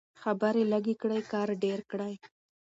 خبرې لږې کړئ کار ډېر کړئ.